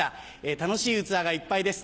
楽しいうつわがいっぱいです